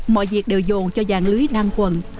mọi việc đều dồn cho vàng lưới ngang quần